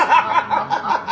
ハハハハ！